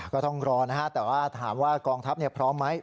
ก็ต้องรอแต่ถามว่ากองทัพพร้อมไหม